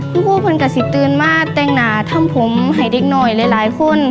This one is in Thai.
พร้อมเพื่อนกับสิตือนมาแต่งหนาทำผมให้ได้น้อยหลายคน